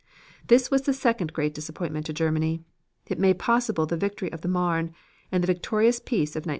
This was the second great disappointment to Germany. It made possible the victory of the Marne and the victorious peace of 1918.